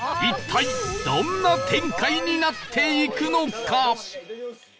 一体どんな展開になっていくのか？